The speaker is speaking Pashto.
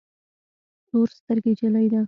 تور سترګي جلی ده